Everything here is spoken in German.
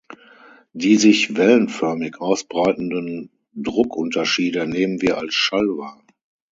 Die sich wellenförmig ausbreitenden Druckunterschiede nehmen wir als Schall wahr.